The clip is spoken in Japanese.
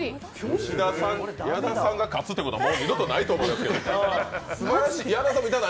吉田さんに矢田さんが勝つってことはもう二度とないと思いますよ。